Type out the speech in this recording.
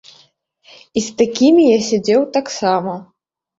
І з такімі я сядзеў таксама.